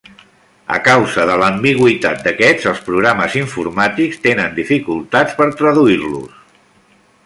A causa de l'ambigüitat d'aquests, els programes informàtics tenen dificultats per traduir-los.